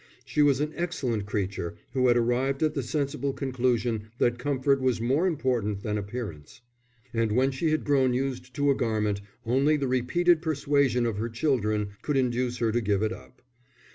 She was an excellent creature who had arrived at the sensible conclusion that comfort was more important than appearance; and when she had grown used to a garment, only the repeated persuasion of her children could induce her to give it up.